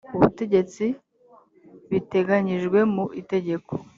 ubutegetsi biteganyijwe mu itegeko